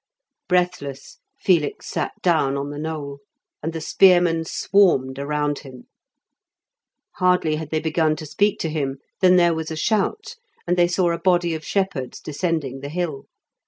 Breathless, Felix sat down on the knoll, and the spearmen swarmed around him. Hardly had they begun to speak to him than there was a shout, and they saw a body of shepherds descending the hill.